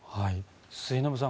末延さん